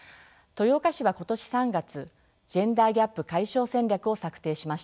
豊岡市は今年３月ジェンダーギャップ解消戦略を策定しました。